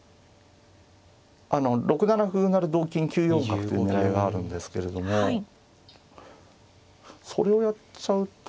６七歩成同金９四角という狙いがあるんですけれどもそれをやっちゃうと。